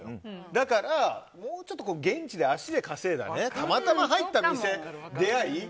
だから、もうちょっと現地で足で稼いでたまたま入った店、出会い